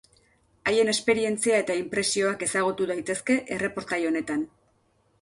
Haien esperientzia eta inpresioak ezagutu daitezke erreportai honetan.